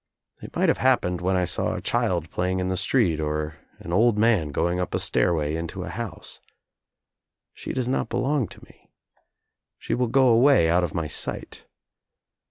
It might have hap pened when I saw a child playing in the street or an old man going up a stairway into a house. She does not belong to me. She will go away out of my sight.